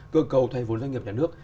cơ cầu thuê vốn doanh nghiệp nhà nước